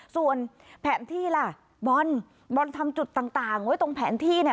ส่วนแผนที่ล่ะบอลบอลทำจุดต่างไว้ตรงแผนที่เนี่ย